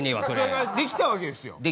それが出来たわけですよ。